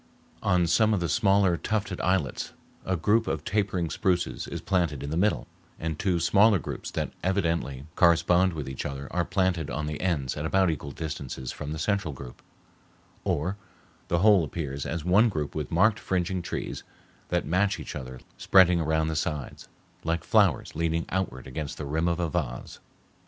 On some of the smaller tufted islets a group of tapering spruces is planted in the middle, and two smaller groups that evidently correspond with each other are planted on the ends at about equal distances from the central group; or the whole appears as one group with marked fringing trees that match each other spreading around the sides, like flowers leaning outward against the rim of a vase.